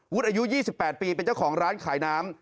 อายุ๒๘ปีเป็นเจ้าของร้านขายน้ำ